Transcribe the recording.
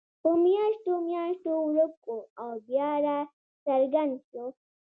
په میاشتو میاشتو ورک وو او بیا راڅرګند شو.